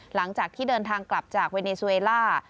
หลังจากที่เดินทางกลับจากเวเนซูเอล่า